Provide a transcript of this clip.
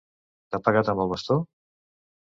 T'ha pegat amb el bastó?